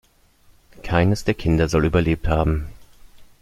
Keines der Kinder soll überlebt haben.